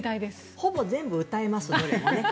ほぼ全部歌えますね。